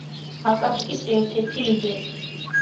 აკაცუკის ერთ-ერთი ლიდერი.